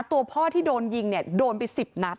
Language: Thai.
ตัวพ่อที่โดนยิงเนี่ยโดนไป๑๐นัด